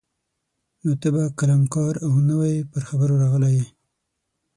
نو ته به کلنکار او نوی پر خبرو راغلی یې.